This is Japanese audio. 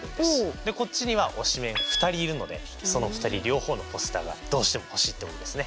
こっちには推しメン２人いるのでその２人両方のポスターがどうしても欲しいってことですね。